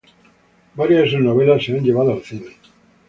Varias de sus novelas se han llevado al cine.